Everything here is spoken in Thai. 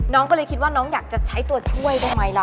น้องก็เลยคิดว่าน้องอยากจะใช้ตัวช่วยได้ไหมล่ะ